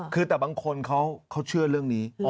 คือแต่บางคนเขาเชื่อเรื่องนี้